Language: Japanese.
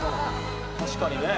確かにね。